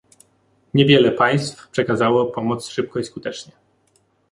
Niewiele państw przekazało pomoc szybko i skutecznie